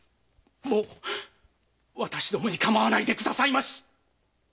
もう私どもに構わないでくださいまし！